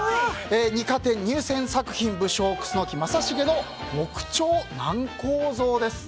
二科展入選作品武将・楠木正成の木彫楠公像です。